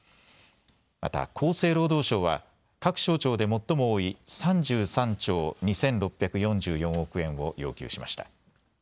また厚生労働省は各省庁で最も多い３３兆２６４４億円を要求しました。